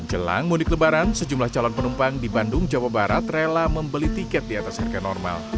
jelang mudik lebaran sejumlah calon penumpang di bandung jawa barat rela membeli tiket di atas harga normal